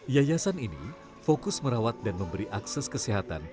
yayasan ini fokus merawat dan memberi akses kesehatan